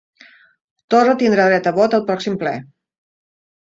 Torra tindrà dret a vot al pròxim ple